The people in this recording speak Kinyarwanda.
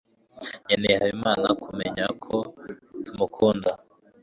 nkeneye habimana kumenya ko tumukunda